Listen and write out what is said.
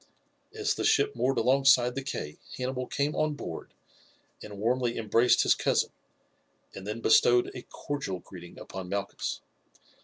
As the ship moored alongside the quay Hannibal came on board and warmly embraced his cousin, and then bestowed a cordial greeting upon Malchus.